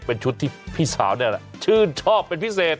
เป็นชุดที่พี่สาวชื่นชอบเป็นพิเศษ